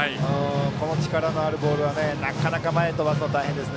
この力のあるボールはなかなか前に飛ばすのが大変です。